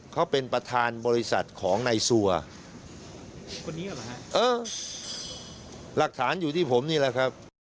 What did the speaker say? เขาเป็นประธานบริษัทของนายซัวหลักฐานอยู่ที่ผมนี่แหละครับ